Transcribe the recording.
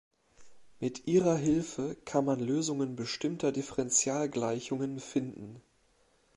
Mit ihrer Hilfe kann man Lösungen bestimmter Differentialgleichungen finden.